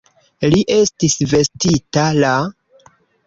Li estis vestita la?